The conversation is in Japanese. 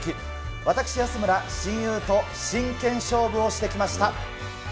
私、安村、親友と真剣勝負をしてきました。